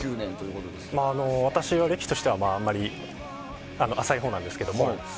私は歴としてはあまり浅いほうなんですけど。